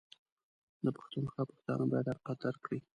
ده پښتونخوا پښتانه بايد حقيقت درک کړي